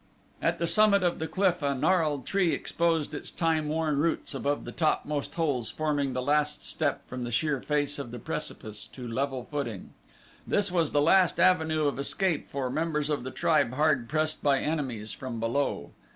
At the summit of the cliff a gnarled tree exposed its time worn roots above the topmost holes forming the last step from the sheer face of the precipice to level footing. This was the last avenue of escape for members of the tribe hard pressed by enemies from below.